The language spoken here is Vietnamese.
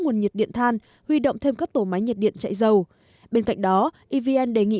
nguồn nhiệt điện than huy động thêm các tổ máy nhiệt điện chạy dầu bên cạnh đó evn đề nghị